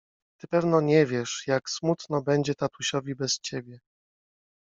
— Ty pewno nie wiesz, jak smutno będzie tatusiowi bez ciebie!